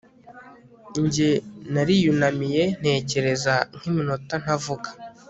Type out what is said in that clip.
Njye nariyunamiye ntekereza nkiminota ntavuga